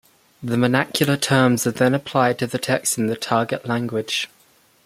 The vernacular terms are then applied to the text in the target language.